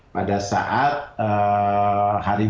pada saat hari ini